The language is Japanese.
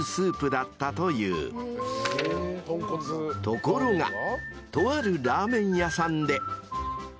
［ところがとあるラーメン屋さんで］